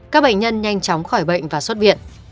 các bệnh nhân nhanh chóng khỏi bệnh và xuất viện